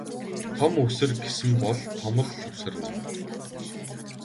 Том үсэр гэсэн бол том л үсэрнэ.